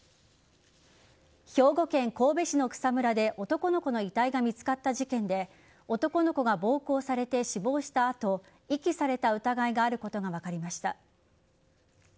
兵庫県神戸市の草むらで男の子の遺体が見つかった事件で男の子が暴行されて死亡した後遺棄された疑いがあることが分かりました。